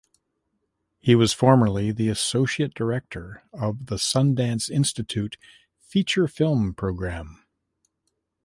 He was formerly the associate director of the Sundance Institute Feature Film Program.